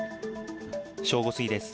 正午過ぎです。